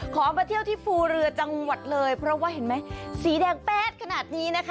มาเที่ยวที่ภูเรือจังหวัดเลยเพราะว่าเห็นไหมสีแดงแป๊ดขนาดนี้นะคะ